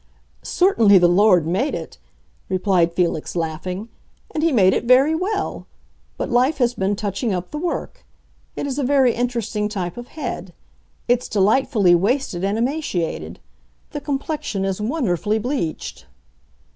"Certainly the Lord made it," replied Felix, laughing, "and he made it very well. But life has been touching up the work. It is a very interesting type of head. It's delightfully wasted and emaciated. The complexion is wonderfully bleached."